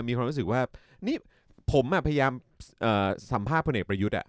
มีความรู้สึกว่านี่ผมพยายามสัมภาษณ์พลเอกประยุทธ์